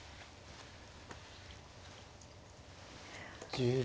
１０秒。